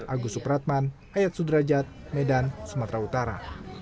agus supratman ayat sudrajat medan sumatera utara